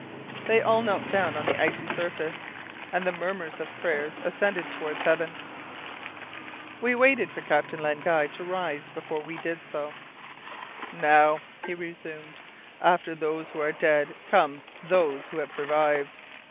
They all knelt down on the icy surface, and the murmurs of prayer ascended towards heaven. We waited for Captain Len Guy to rise before we did so. "Now," he resumed, "after those who are dead come those who have survived.